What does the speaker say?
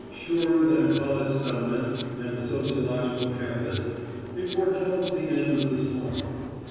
Surer than a college settlement and a sociological canvass, it foretells the end of the slum.